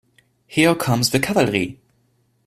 Here comes the cavalry.